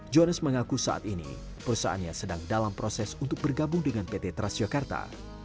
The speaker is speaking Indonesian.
johannes mengaku saat ini perusahaannya sedang dalam proses untuk bergabung dengan pt transjakarta